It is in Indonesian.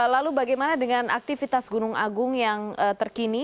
lalu bagaimana dengan aktivitas gunung agung yang terkini